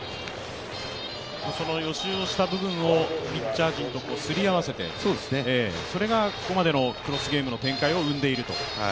その予習をした部分をピッチャー陣とすり合わせて、それがここまでのクロスゲームの展開を生んでいると。